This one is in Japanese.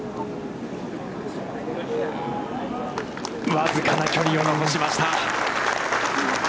僅かな距離を残しました。